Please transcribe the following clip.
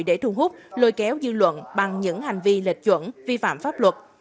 để thu hút lôi kéo dư luận bằng những hành vi lệch chuẩn vi phạm pháp luật